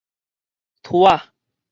鏟子